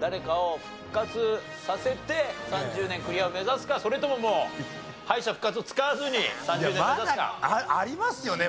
誰かを復活させて３０年クリアを目指すかそれとももう敗者復活を使わずに３０年目指すか。ありますよね？